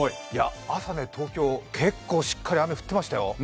朝、東京、結構しっかり雨降っていましたよ。